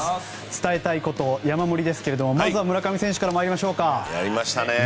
伝えたいこと山盛りですけれどもまずは村上選手から参りましょうか。